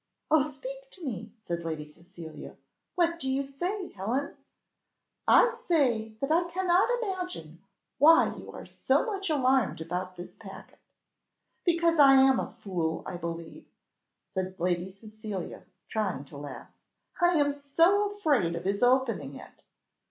"Oh speak to me!" said Lady Cecilia, "what do you say, Helen?" "I say that I cannot imagine why you are so much alarmed about this packet." "Because I am a fool, I believe," said Lady Cecilia, trying to laugh. "I am so afraid of his opening it."